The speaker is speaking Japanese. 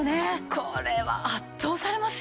これは圧倒されますよ。